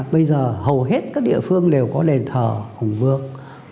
bây giờ hầu hết các địa phương đều có đền thờ hùng vương